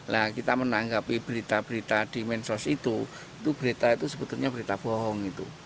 nah kita menanggapi berita berita di mensos itu itu berita itu sebetulnya berita bohong gitu